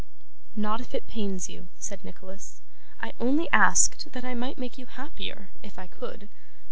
'Not if it pains you,' said Nicholas. 'I only asked that I might make you happier, if I could.